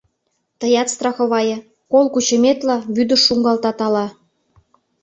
Тыят страховае: кол кучыметла, вӱдыш шуҥгалтат ала...